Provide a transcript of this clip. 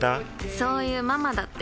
そういうママだって。